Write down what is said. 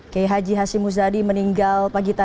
kiai haji hashim muzadi yang berpusat di malang jawa timur